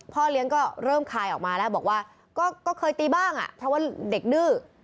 พ่อเลี้ยงก็เริ่มคายออกมาแล้วบอกว่าก็เคยตีบ้างอ่ะเพราะว่าเด็กดื้อ